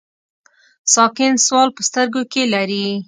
ساکن سوال په سترګو کې لري.